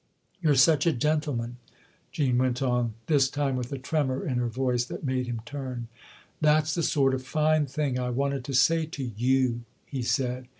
" You're such a gentleman !" Jean went on this time with a tremor in her voice that made him turn. " That's the sort of fine thing I wanted to say to you" he said.